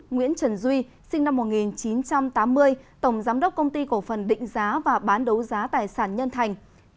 nguyễn trần duy sinh năm một nghìn chín trăm tám mươi tổng giám đốc công ty cổ phần định giá và bán đấu giá tài sản nhân thành